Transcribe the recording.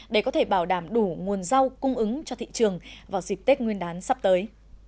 để có thể bảo đảm đủ nguồn rau cung ứng cho thị trường vào dịp tết nguyên đán sắp tới